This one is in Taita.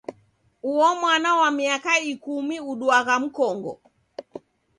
Uo mwana wa miaka ikumi uduagha mkongo.